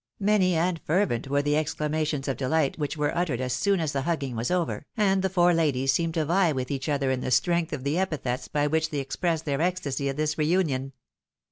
Many and fervent were the exclamations of dehght which were uttered as soon as the hugging was over, and the four ladies seemed to vie with each other in the strength of the epithets by which they ex pressed their ecstasy at this re union.